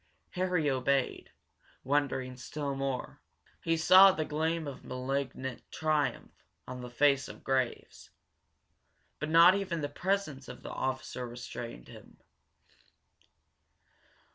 Harry obeyed, wondering still more. He saw the gleam of malignant triumph on the face of Graves. But not even the presence of the officer restrained him.